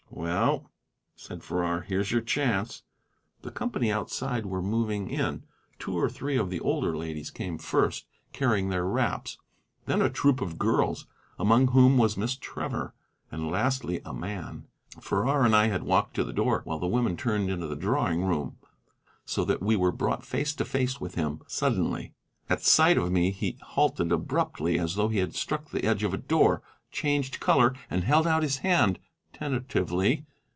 "Well," said Farrar, "here's your chance." The company outside were moving in. Two or three of the older ladies came first, carrying their wraps; then a troop of girls, among whom was Miss Trevor; and lastly, a man. Farrar and I had walked to the door while the women turned into the drawing room, so that we were brought face to face with him, suddenly. At sight of me he halted abruptly, as though he had struck the edge of a door, changed color, and held out his hand, tentatively.